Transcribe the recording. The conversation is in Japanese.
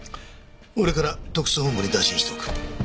俺から特捜本部に打診しておく。